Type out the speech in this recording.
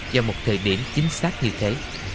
vào một thời điểm chính xác như thế